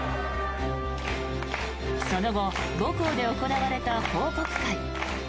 その後、母校で行われた報告会。